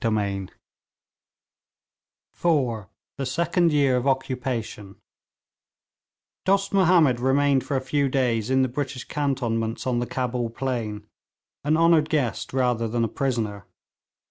CHAPTER IV: THE SECOND YEAR OF OCCUPATION Dost Mahomed remained for a few days in the British cantonments on the Cabul plain, an honoured guest rather than a prisoner.